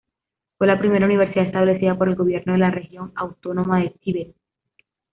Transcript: Fue la primera universidad establecida por el gobierno de la región autónoma del Tíbet.